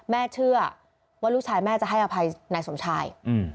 เชื่อว่าลูกชายแม่จะให้อภัยนายสมชาย